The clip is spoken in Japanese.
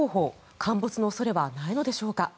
陥没の恐れはないのでしょうか。